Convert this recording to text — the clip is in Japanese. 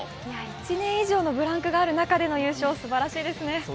１年以上のブランクがある中すばらしいですね。